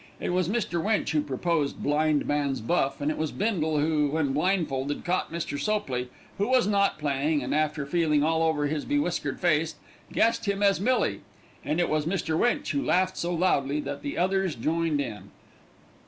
It was Mr. Winch who proposed "Blind Man's Buff," and it was Bindle who when blindfolded caught Mr. Sopley, who was not playing, and after feeling all over his be whiskered face guessed him as Millie; and it was Mr. Winch who laughed so loudly that the others joined in.